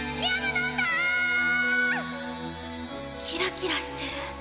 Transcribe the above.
キラキラしてる。